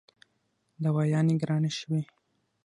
دوايانې ګرانې شوې